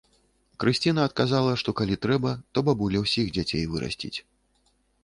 Крысціна адказала, што калі трэба, то бабуля ўсіх дзяцей вырасціць.